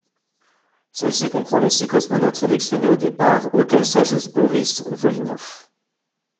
Celle-ci comprend les six cosmonautes sélectionnés au départ, auxquels s'ajoute Boris Volynov.